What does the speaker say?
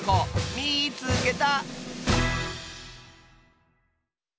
「みいつけた！」。